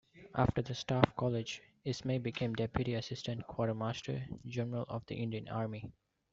After the Staff College, Ismay became Deputy Assistant Quartermaster General of the Indian Army.